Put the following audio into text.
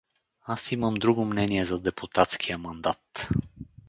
Аз имам друго мнение за депутатския мандат.